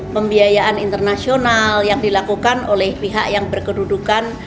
pembiayaan internasional yang dilakukan oleh pihak yang berkedudukan